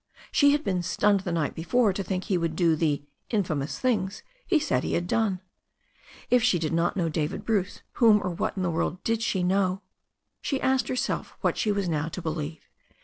She had been stunned the night before to think he would do the ''infamous'' things he said he had done. If she did not know David Bruce whom or what in the world did she know? She asked herself what she was now to believe.